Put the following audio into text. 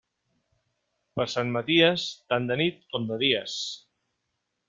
Per Sant Maties, tant de nit com de dies.